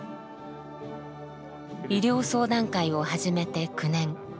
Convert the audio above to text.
医療相談会を始めて９年。